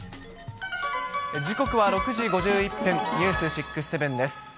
時刻は６時５１分、ニュース６ー７です。